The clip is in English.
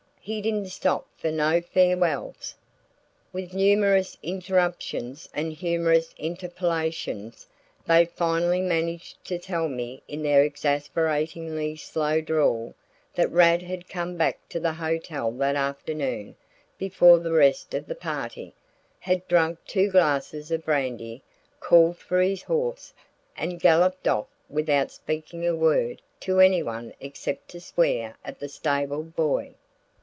He didn't stop for no farewells." With numerous interruptions and humorous interpolations, they finally managed to tell me in their exasperatingly slow drawl that Rad had come back to the hotel that afternoon before the rest of the party, had drunk two glasses of brandy, called for his horse, and galloped off without speaking a word to anyone except to swear at the stable boy.